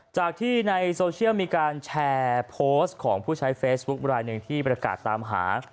จากที่ในโซเชียลมีการแชร์โพสต์ของผู้ใช้เฟซบุ๊คลายหนึ่งที่ประกาศตามหา